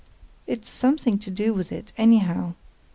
"It's something to do with it, anyhow!"